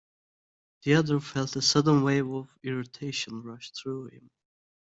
The other felt a sudden wave of irritation rush through him.